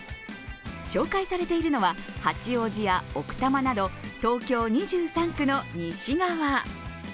紹介されているのは八王子や奥多摩など東京２３区の西側。